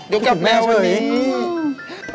ดูกับแม่วันนี้